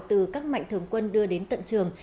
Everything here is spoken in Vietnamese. từ các mạnh thường quân đưa đến tận trường